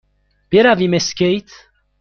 برویم اسکیت؟